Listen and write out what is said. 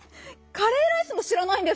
「カレーライス」もしらないんですか？